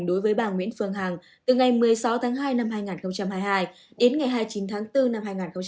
đối với bà nguyễn phương hằng từ ngày một mươi sáu tháng hai năm hai nghìn hai mươi hai đến ngày hai mươi chín tháng bốn năm hai nghìn hai mươi ba